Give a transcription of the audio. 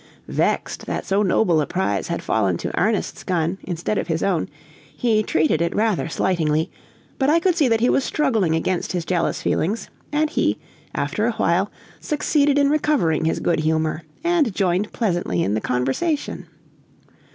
Vexed that so noble a prize had fallen to Ernest's gun, instead of his own, he treated it rather slightingly; but I could see that he was struggling against his jealous feelings, and he, after a while, succeeded in recovering his good humor, and joined pleasantly in the conversation.